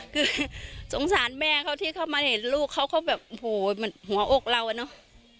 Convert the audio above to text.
คือสงสารแม่เขาที่เข้ามาเห็นลูกเขาเขาแบบโหมันหัวอกเราอะเนาะ